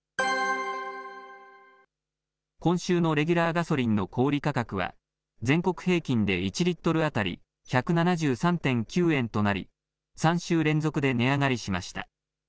今週のレギュラーガソリンの小売り価格は、全国平均で１リットル当たり１７３．９円となり、３週連続で値上がりしました。